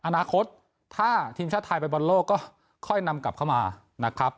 อนาคตถ้าทีมชาติไทยไปบอลโลกก็ค่อยนำกลับเข้ามานะครับ